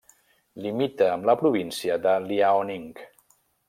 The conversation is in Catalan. Limita amb la província de Liaoning.